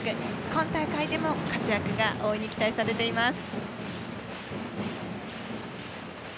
今大会でも活躍が大いに期待されています。